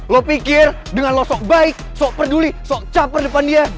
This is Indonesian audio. lo pikir dengan losok baik sok peduli sok caper depan dia